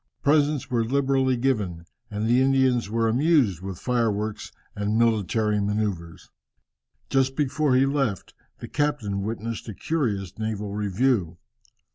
Presents were liberally given, and the Indians were amused with fireworks and military manoeuvres. Just before he left, the captain witnessed a curious naval review.